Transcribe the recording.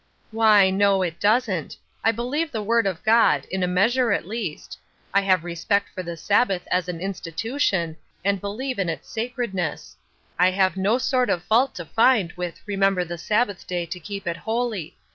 " Why, no, it doesn't. I believe the word of G od ; in a measure at least. I have respect for the Sabbath as an institution, and believe in its Bacredness. I have no sort of fault to find with * Remember the Sabbath day, to keep it holy.'